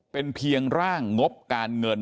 เป็นเพียงร่างงบการเงิน